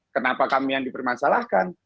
kenapa kami yang dipermasalahkan